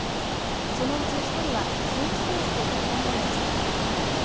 そのうち１人はスーツケースを運んでいます。